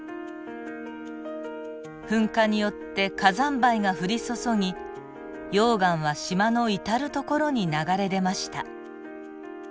噴火によって火山灰が降り注ぎ溶岩は島の至る所に流れ出ました。